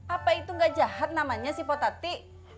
apa itu enggak jahat namanya si potati